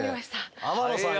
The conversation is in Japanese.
天野さん